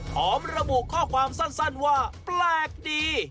พร้อมระบุข้อความสั้นว่าแปลกดี